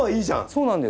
そうなんです。